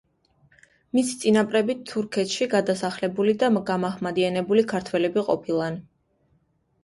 მისი წინაპრები თურქეთში გადასახლებული და გამაჰმადიანებული ქართველები ყოფილან.